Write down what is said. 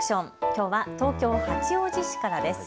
きょうは東京八王子市からです。